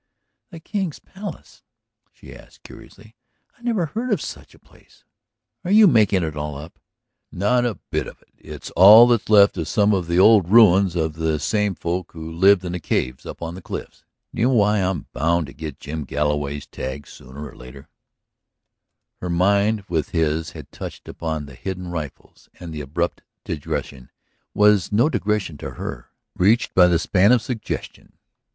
"The King's Palace?" she asked curiously. "I never heard of such a place. Are you making it all up?" "Not a bit of it. It's all that's left of some of the old ruins of the same folk who lived in the caves up on the cliffs. ... Do you know why I am bound to get Jim Galloway's tag soon or late?" Her mind with his had touched upon the hidden rifles, and the abrupt digression was no digression to her, reached by the span of suggestion.